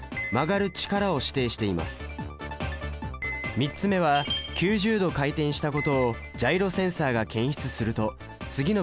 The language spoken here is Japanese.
３つ目は９０度回転したことをジャイロセンサが検出すると次のブロックに移る命令です。